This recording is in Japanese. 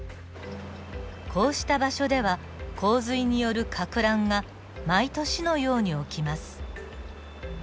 こうした場所では洪水によるかく乱が毎年のように起きます。